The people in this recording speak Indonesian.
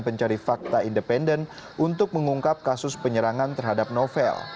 pencari fakta independen untuk mengungkap kasus penyerangan terhadap novel